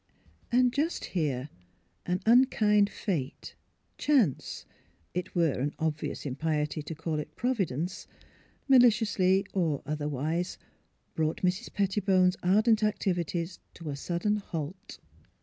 And just here an unkind Fate, Chance — it were an obvious impiety to call it Providence — maliciously (or otherwise) brought Mrs. Petti bone's ardent activities to a sudden halt.